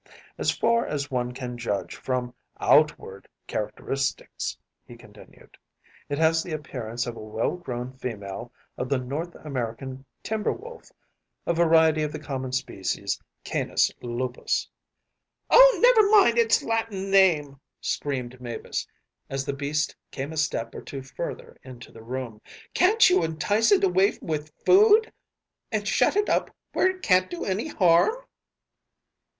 As far as one can judge from outward characteristics,‚ÄĚ he continued, “it has the appearance of a well grown female of the North American timber wolf, a variety of the common species canis lupus.‚ÄĚ “Oh, never mind its Latin name,‚ÄĚ screamed Mavis, as the beast came a step or two further into the room; “can’t you entice it away with food, and shut it up where it can’t do any harm?